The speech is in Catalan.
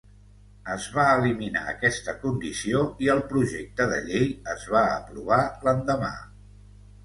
Es va eliminar aquesta condició i el projecte de llei es va aprovar l'endemà.